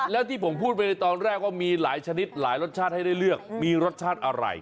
แล้วที่ผมพูดไปในตอนแรกว่ามีหลายชนิดหลายรสชาติให้ได้เลือกมีรสชาติอะไร